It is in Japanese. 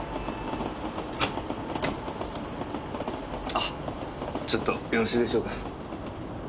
あっちょっとよろしいでしょうか？